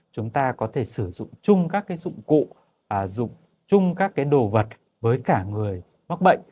chúng ta có thể sử dụng chung các dụng cụ dùng chung các đồ vật với cả người mắc bệnh